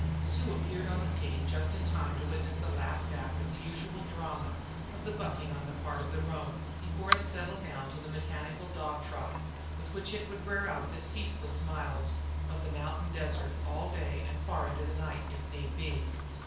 Sue appeared on the scene just in time to witness the last act of the usual drama of bucking on the part of the roan, before it settled down to the mechanical dog trot with which it would wear out the ceaseless miles of the mountain desert all day and far into the night, if need be.